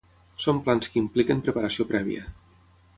Són plans que impliquen preparació prèvia.